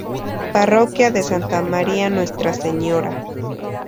Parroquia de Santa María Nuestra Señora.